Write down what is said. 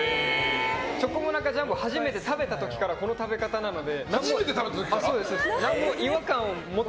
チョコモナカジャンボを初めて食べた時からこの食べ方なので。